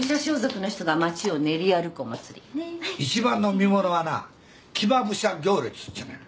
一番の見ものはな騎馬武者行列っちゅうのや。